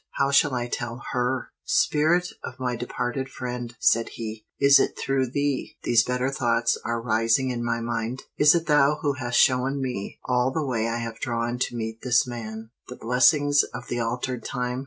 "How shall I tell her?" "Spirit of my departed friend," said he, "is it through thee these better thoughts are rising in my mind? Is it thou who hast shown me, all the way I have drawn to meet this man, the blessings of the altered time?